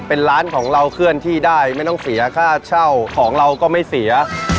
เป็นร้านของเราเคลื่อนที่ได้ไม่ต้องเสียค่าเช่าของเราก็ไม่เสีย